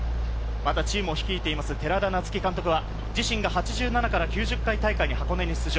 またチームを率いています寺田夏生監督は自身が８７から９０回大会に箱根出場。